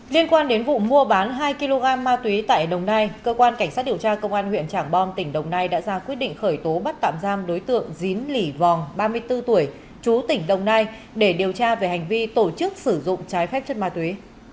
liên quan đến vụ mua bán hai kg ma túy tại đồng nai cơ quan cảnh sát điều tra công an huyện trảng bom tỉnh đồng nai đã ra quyết định khởi tố bắt tạm giam đối tượng dín lỉ vòng ba mươi bốn tuổi chú tỉnh đồng nai để điều tra về hành vi tổ chức sử dụng trái phép chất ma túy